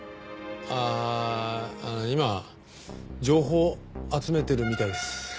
ああ今情報を集めてるみたいです。